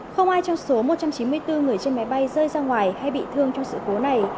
không ai trong số một trăm chín mươi bốn người trên máy bay rơi ra ngoài hay bị thương trong sự cố này